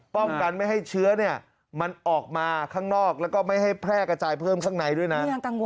ป้องกันไม่ให้เชื้อมันออกมาข้างนอกแล้วก็ไม่ให้แพร่กระจายเพิ่มข้างในด้วยนะ